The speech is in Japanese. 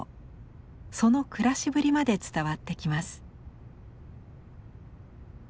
その暮らしぶりまで伝わってきます。